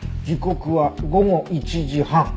時刻は午後１時半。